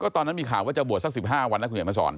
วันนั้นมีข่าวว่าจะบวชสัก๑๕วัน